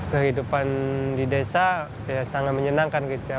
kehidupan di desa sangat menyenangkan